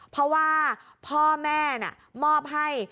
เพราะว่าพ่อแม่มอบให้